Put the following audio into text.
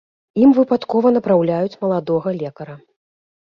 Ім выпадкова напраўляюць маладога лекара.